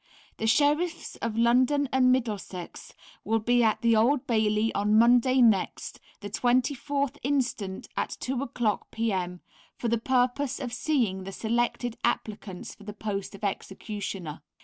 The Sheriffs of London and Middlesex will be at the Old Bailey on Monday next, the 24th instant, at 2 o'clock p.m., for the purpose of seeing the selected applicants for the post of Executioner.